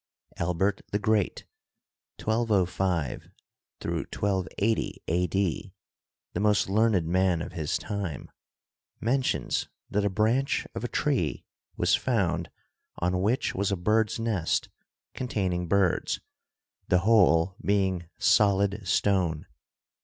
Albert the Great (1205 1280 a.d.), the most learned man of his time, mentions that a branch of a tree was found on which was a bird's nest containing birds, the whole being solid stone.